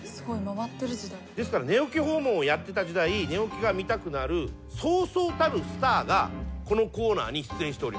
ですから寝起き訪問をやってた時代寝起きが見たくなるそうそうたるスターがこのコーナーに出演しております。